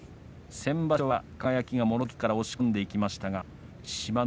先場所は輝がもろ手突きから押し込んでいきましたが志摩ノ